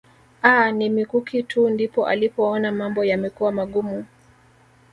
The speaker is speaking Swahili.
Aah ni mikuki tu ndipo alipoona mambo yamekuwa magumu